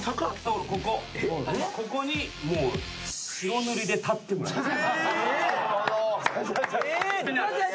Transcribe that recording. ここに白塗りで立ってもらいます。